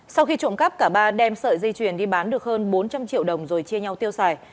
sau khi trộm cắp cả ba đem sợi dây chuyền đi bán được hơn bốn trăm linh triệu đồng rồi chia nhau tiêu xài